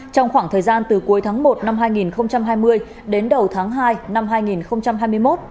trong khoảng thời gian từ cuối tháng một năm hai nghìn hai mươi đến đầu tháng hai năm hai nghìn hai mươi một